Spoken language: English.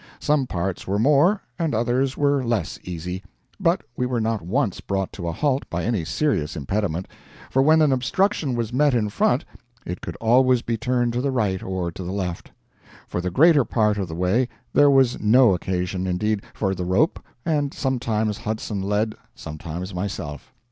Some parts were more, and others were less easy, but we were not once brought to a halt by any serious impediment, for when an obstruction was met in front it could always be turned to the right or to the left. For the greater part of the way there was no occasion, indeed, for the rope, and sometimes Hudson led, sometimes myself.